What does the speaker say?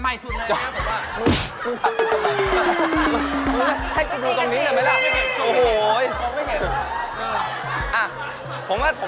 เอามาเป็นแพค